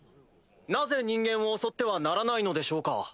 なぜ人間を襲ってはならないのでしょうか？